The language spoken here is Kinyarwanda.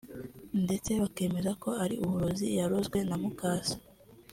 ndetse bakemeza ko ari uburozi yarozwe na muka se